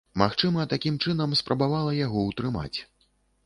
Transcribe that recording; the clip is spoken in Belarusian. Магчыма, такім чынам спрабавала яго ўтрымаць.